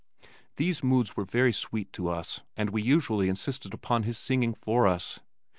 These moods were very sweet to us and we usually insisted upon his singing for us.